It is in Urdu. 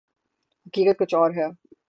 حقیقت کچھ اور ہے۔